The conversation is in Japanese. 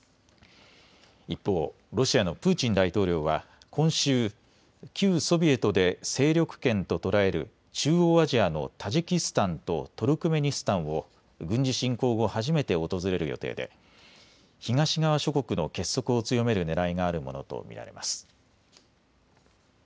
一方、ロシアのプーチン大統領は今週、旧ソビエトで勢力圏と捉える中央アジアのタジキスタンとトルクメニスタンを軍事侵攻後、初めて訪れる予定で東側諸国の結束を強めるねらいがあるものと見られます。